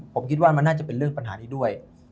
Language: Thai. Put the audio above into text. ผมคิดว่ามันน่าจะเป็นเรื่องปัญหานี้ด้วย